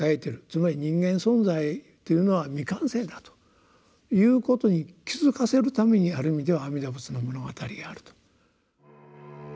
つまり「人間存在というのは未完成だ」ということに気付かせるためにある意味では「阿弥陀仏の物語」があると。